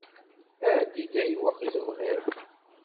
Ɛeddi-d ayweq i tebɣiḍ.